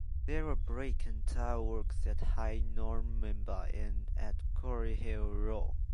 There were brick and tile-works at High Normanby and at Quarry Hill, Raw.